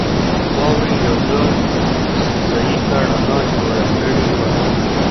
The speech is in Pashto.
واورې یو ډول ضعیفه رڼا جوړه کړې وه